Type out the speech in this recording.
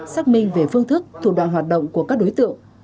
xác minh về phương thức thủ đoạn hoạt động của các đối tượng